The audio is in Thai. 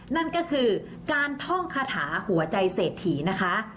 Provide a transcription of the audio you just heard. นั่นก็คือการท่องคาถาหัวใจเศรษฐีนะคะ